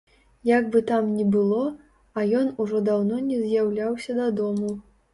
Як бы там ні было, а ён ужо даўно не з'яўляўся дадому.